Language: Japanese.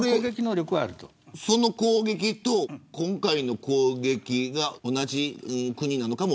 その攻撃と今回の攻撃が同じ国なのかも分からない。